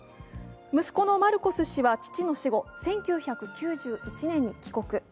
息子のマルコス氏は父の死後１９９１年に帰国。